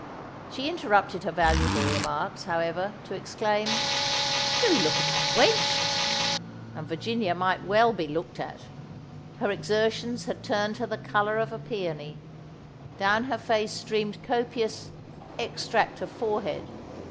She interrupted her valuable remarks, however, to exclaim: "Do look at that wench!" And Virginia might well be looked at! Her exertions had turned her the colour of a peony; down her face streamed copious "extract of forehead."